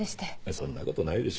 そんなことないでしょう。